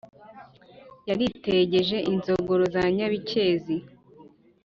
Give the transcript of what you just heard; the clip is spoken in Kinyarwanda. yariteje inzogoro za nyabikezi.